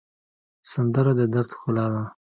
سندره د دَرد ښکلا ده